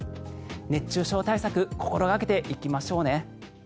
熱中症対策心掛けていきましょうね。